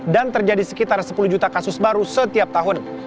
dan terjadi sekitar sepuluh juta kasus baru setiap tahun